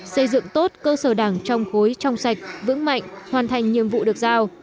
xây dựng tốt cơ sở đảng trong khối trong sạch vững mạnh hoàn thành nhiệm vụ đảng